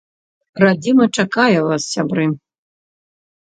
Радзіма чакае вас, сябры.